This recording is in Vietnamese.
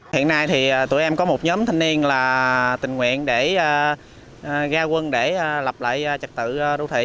hiện nay thì tụi em có một nhóm thanh niên là tình nguyện để ra quân để lập lại trật tự đô thị